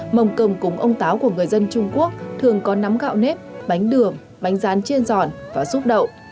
mầm cơm cúng ông táo của người dân trung quốc thường có nắm gạo nếp bánh đường bánh rán chiên giòn và súp đậu